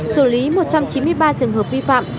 xử lý một trăm chín mươi ba trường hợp vi phạm